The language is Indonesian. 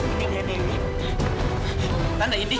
ini berapa ini nenek